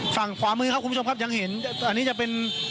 ฝั่งขวามือครับคุณผู้ชมครับยังเห็นอันนี้จะเป็น